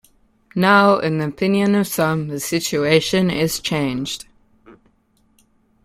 Now, in the opinion of some, the situation is changed.